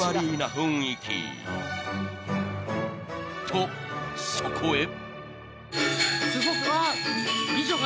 ［とそこへ］